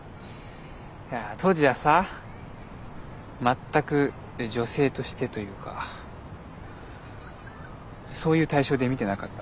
当時はさ全く女性としてというかそういう対象で見てなかった。